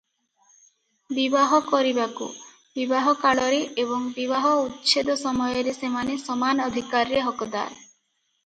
ବିବାହ କରିବାକୁ, ବିବାହ କାଳରେ ଏବଂ ବିବାହ ଉଚ୍ଛେଦ ସମୟରେ ସେମାନେ ସମାନ ଅଧିକାରରେ ହକଦାର ।